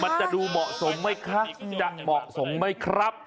มันจะดูเหมาะสมไหมคะจะเหมาะสมไหมครับ